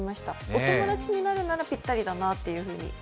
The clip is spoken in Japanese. お友達になるならぴったりだなっていうふうに。